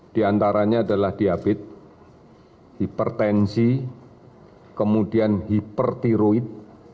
diantaranya adalah diabetes hipertensi kemudian hipertiroid